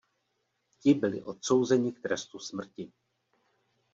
Ti byli odsouzeni k trestu smrti.